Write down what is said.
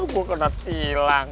aku kena hilang